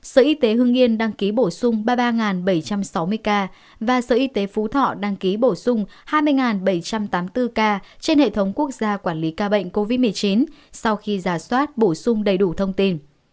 sở y tế hương yên đăng ký bổ sung ba mươi ba bảy trăm sáu mươi ca và sở y tế phú thọ đăng ký bổ sung hai mươi bảy trăm tám mươi bốn ca trên hệ thống quốc gia quản lý ca bệnh covid một mươi chín sau khi giả soát bổ sung đầy đủ thông tin